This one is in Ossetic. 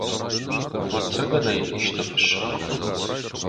Ӕвӕццӕгӕн ӕй исты фыссын хъӕуы.